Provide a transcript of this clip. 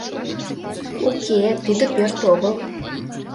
Уке, тиде пӧрт огыл.